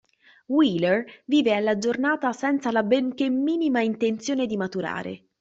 Wheeler vive alla giornata senza la ben che minima intenzione di maturare.